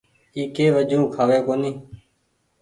اي ڪي وجون کآوي ڪونيٚ ۔